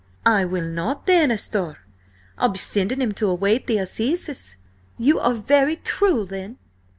"I will not then, asthore. I'll be sending him to await the Assizes." "You are very cruel, then."